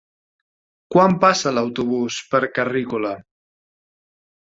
Quan passa l'autobús per Carrícola?